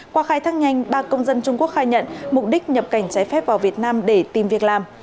qua khai thác nhanh ba công dân trung quốc khai nhận mục đích nhập cảnh trái phép vào việt nam để tìm việc làm